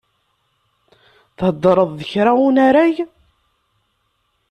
Theddreḍ d kra unarag?